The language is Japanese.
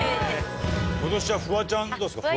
今年はフワちゃんどうですか？